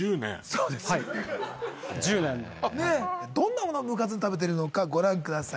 どんな物をむかずに食べてるのかご覧ください。